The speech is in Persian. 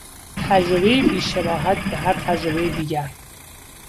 تجربهای بیشباهت به هر تجربهی دیگر